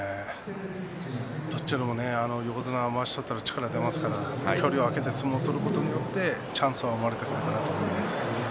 横綱は、まわしを取ったら力が出ますから距離を取って相撲を取ることでチャンスが生まれてくると思います。